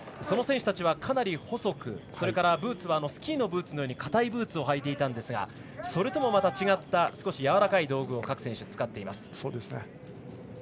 その選手たちはかなり細くそれからスキーのブーツのように硬いブーツを履いていたんですがそれともまた違った少しやわらかい道具を各選手、使っています。